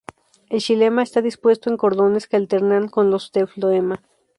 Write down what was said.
El xilema está dispuesto en cordones que alternan con los de floema.